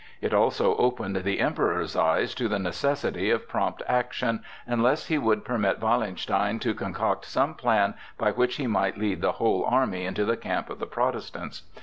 It also opened the Emperor's eyes to the necessity of prompt action, unless he would permit Wallenstein to concoct some plan by which he might lead the whole army into the camp of the Protestants.